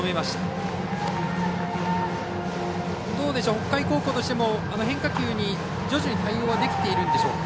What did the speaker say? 北海高校としても変化球に徐々に対応はできているんでしょうか。